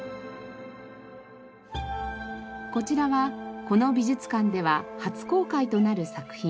こちらはこの美術館では初公開となる作品。